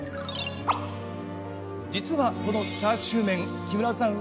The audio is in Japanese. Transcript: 実は、このチャーシュー麺木村さん